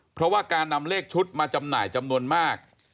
เพราะว่าการนำเลขชุดมาจำหน่ายจำนวนมาก